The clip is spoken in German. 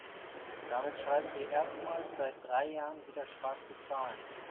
Damit schreiben wir erstmals seit drei Jahren wieder schwarze Zahlen.